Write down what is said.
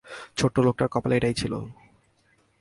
ছোটলোকটার কপালে এটাই ছিল।